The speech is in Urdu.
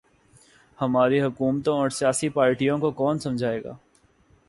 ہماری حکومتوں اور سیاسی پارٹیوں کو کون سمجھائے گا۔